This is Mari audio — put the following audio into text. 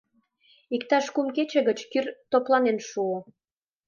Иктаж кум кече гыч кӱр топланен шуо.